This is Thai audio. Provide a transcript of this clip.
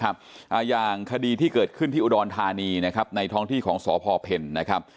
บรรทานีนะครับในท้องที่ของสพเพลนะครับ